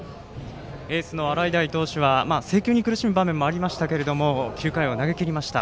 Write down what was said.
エースの洗平投手は制球に苦しむ場面もありましたが９回を投げきりました。